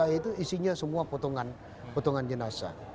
jelas itu isinya semua potongan potongan jenasa